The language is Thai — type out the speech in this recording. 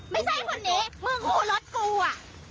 ไม่ใช่คนเนี้ยเพิ่งโหลดกูอะ